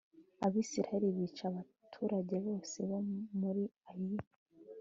abisirayeli bica abaturage bose bo muri ayi